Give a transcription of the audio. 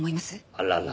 あらら。